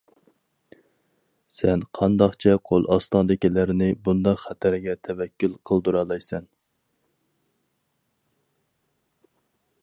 سەن قانداقچە قول ئاستىڭدىكىلەرنى بۇنداق خەتەرگە تەۋەككۈل قىلدۇرالايسەن.